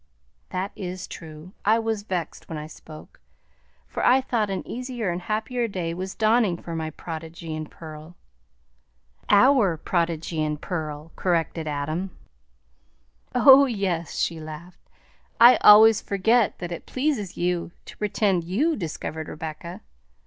"That is true; I was vexed when I spoke, for I thought an easier and happier day was dawning for my prodigy and pearl." "OUR prodigy and pearl," corrected Adam. "Oh, yes!" she laughed. "I always forget that it pleases you to pretend you discovered Rebecca."